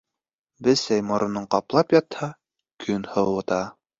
Бесәй моронон ҡаплап ятһа, көн һыуыта.